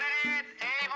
lalu ambil dan waspada